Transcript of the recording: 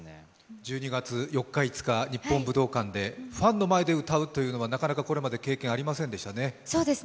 １２月４日、５日、日本武道館で、ファンの前で歌うというのはなかなかこれまで経験ありませんでしたね。